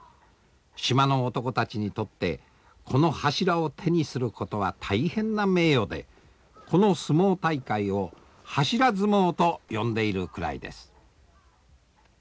島の男たちにとってこの柱を手にすることは大変な名誉でこの相撲大会を「柱相撲」と呼んでいるくらいです。